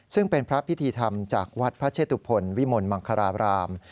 ซึ่งเป็นพระพิธีธรรมจากวัดพระเชตุพลวิมลมังคาราบราม